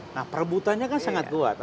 nah perebutannya kan sangat kuat